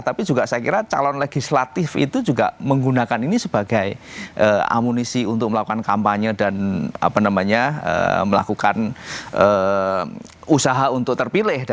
tapi juga saya kira calon legislatif itu juga menggunakan ini sebagai amunisi untuk melakukan kampanye dan melakukan usaha untuk terpilih